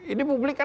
ini publik kan